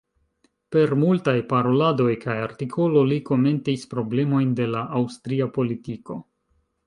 Per multaj paroladoj kaj artikolo li komentis problemojn de la aŭstria politiko.